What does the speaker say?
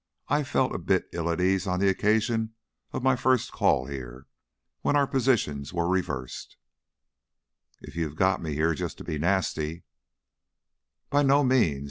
I felt a bit ill at ease on the occasion of my first call here, when our positions were reversed " "If you got me here just to be nasty " "By no means.